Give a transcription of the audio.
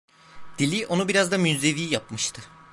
Dili onu biraz da münzevi yapmıştı.